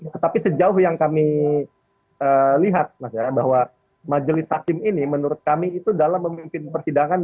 tetapi sejauh yang kami lihat mas ya bahwa majelis hakim ini menurut kami itu dalam memimpin persidangan